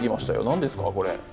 何ですかこれ。